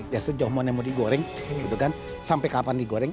ya sejauh mana mau digoreng sampai kapan digoreng